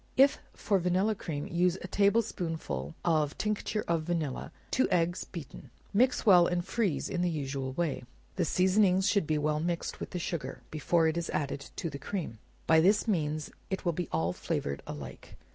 If for vanilla cream; use a table spoonful of tincture of vanilla, two eggs beaten; mix well and freeze in the usual way. The seasoning should be well mixed with the sugar, before it is added to the cream; by this means, it will be all flavored alike.